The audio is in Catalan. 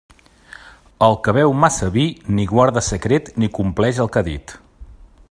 El que beu massa vi, ni guarda secret ni compleix el que ha dit.